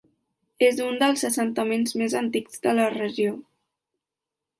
És un dels assentaments més antics de la regió.